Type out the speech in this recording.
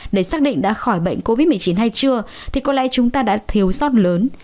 để xác định đã khỏi bệnh covid một mươi chín hay chưa thì có lẽ chúng ta đã thiếu sót lớn